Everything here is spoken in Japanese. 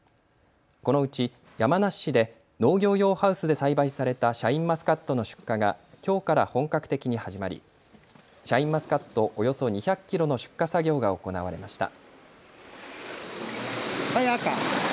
このうち山梨市で農業用ハウスで栽培されたシャインマスカットの出荷がきょうから本格的に始まり、シャインマスカットおよそ２００キロの出荷作業が行われました。